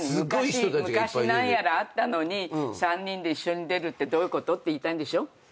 昔何やらあったのに３人で一緒に出るってどういうこと？って言いたいんでしょ。